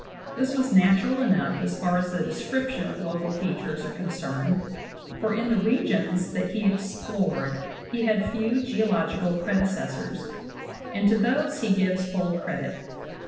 This was natural enough as far as the description of local features are concerned, for in the regions that he explored he had few geo logical predecessors, and to those he gives full credit.